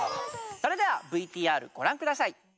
それではＶＴＲご覧下さい。